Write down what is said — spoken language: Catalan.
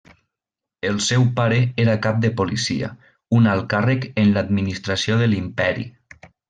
El seu pare era cap de policia, un alt càrrec en l'administració de l'Imperi.